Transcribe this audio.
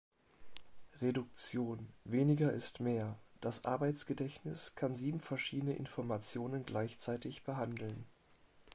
Reduktion: Weniger ist mehr: Das Arbeitsgedächtnis kann sieben verschiedenen Informationen gleichzeitig behandeln.